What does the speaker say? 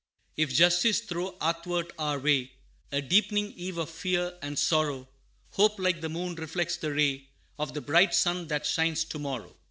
If justice throw athwart our way, A deepening eve of fear and sorrow, Hope, like the moon, reflects the ray Of the bright sun that shines to morrow.